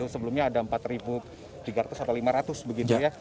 sebelumnya ada empat tiga ratus atau lima ratus begitu ya